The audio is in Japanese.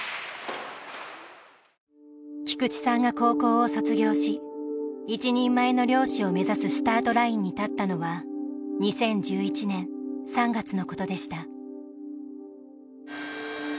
菊地さんが高校を卒業し一人前の漁師を目指すスタートラインに立ったのは２０１１年３月のことでした。